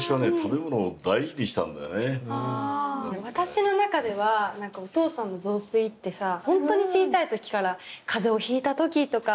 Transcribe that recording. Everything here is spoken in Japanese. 私の中ではお父さんの雑炊ってさ本当に小さい時から風邪をひいた時とか。